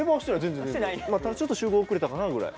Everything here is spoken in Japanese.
ただちょっと集合遅れたかなぐらい。